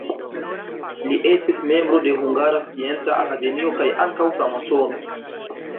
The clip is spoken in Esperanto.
Li estis membro de Hungara Scienca Akademio kaj ankaŭ framasono.